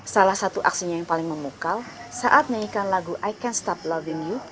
salah satu aksinya yang paling memukal saat nyanyikan lagu i can't stop loving you